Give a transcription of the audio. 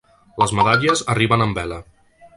Les medalles arriben en vela.